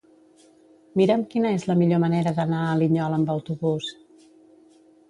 Mira'm quina és la millor manera d'anar a Linyola amb autobús.